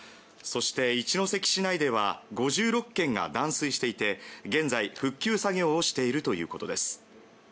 そして一関市内では５６軒が断水していて現在、復旧作業をしているということです。